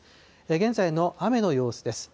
現在の雨の様子です。